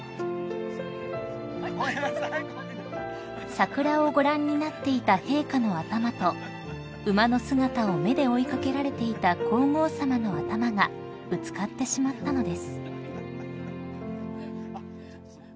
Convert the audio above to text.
［桜をご覧になっていた陛下の頭と馬の姿を目で追い掛けられていた皇后さまの頭がぶつかってしまったのです］